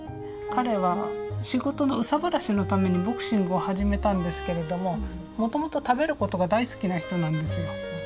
彼は仕事の憂さ晴らしのためにボクシングを始めたんですけれどももともと食べることが大好きな人なんですよ。